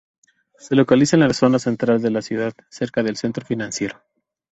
Se localiza en la zona central de la ciudad, cerca del centro financiero.